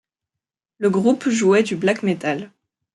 Le groupe jouait du black metal.